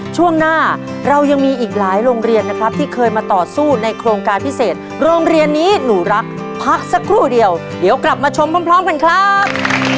ช่วงหน้าเรายังมีอีกหลายโรงเรียนนะครับที่เคยมาต่อสู้ในโครงการพิเศษโรงเรียนนี้หนูรักพักสักครู่เดียวเดี๋ยวกลับมาชมพร้อมกันครับ